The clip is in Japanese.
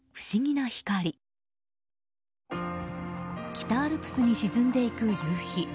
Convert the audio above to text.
北アルプスに沈んでいく夕日。